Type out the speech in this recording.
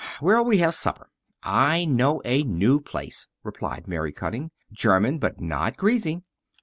Where'll we have supper?" "I know a new place," replied Mary Cutting. "German, but not greasy."